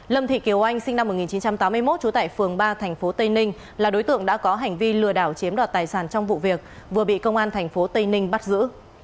lâm thị kiều anh sinh năm một nghìn chín trăm tám mươi một trú tại phường ba tp tây ninh là đối tượng đã có hành vi lừa đảo chiếm đoạt tài sản trong vụ việc vừa bị công an tp tây ninh bắt giữ